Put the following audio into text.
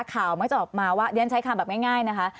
ข่าวมักจะออกมาว่าเรียนใช้คำแบบง่ายนะคะ